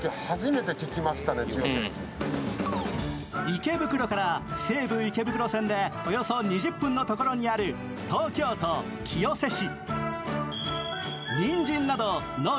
池袋から西武池袋線でおよそ２０分のところにある東京都清瀬市。